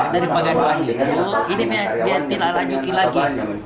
dari penganduan itu ini dia tidak lanjuti lagi